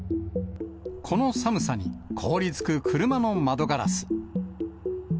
この寒さに凍りつく車の窓ガラス。